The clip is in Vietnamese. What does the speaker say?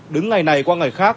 đứng ngày này qua ngày khác